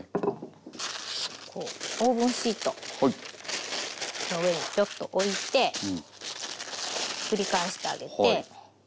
こうオーブンシート上にちょっと置いてひっくり返してあげて。